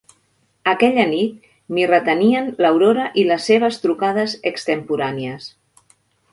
Aquella nit m'hi retenien l'Aurora i les seves trucades extemporànies.